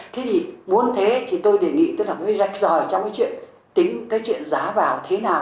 thế thì muốn thế thì tôi đề nghị tôi phải rạch ròi trong chuyện tính cái chuyện giá vào thế nào